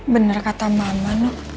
bener kata mama